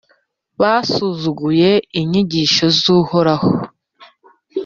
basuzuguye inyigisho z’Uhoraho,